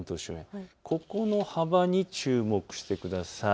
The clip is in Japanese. ここの幅に注目してください。